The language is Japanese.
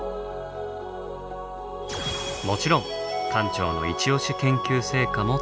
もちろん館長のイチオシ研究成果も展示。